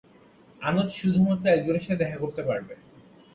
আনোচ শুধুমাত্র একজনের সাথে দেখা করতে পারবে।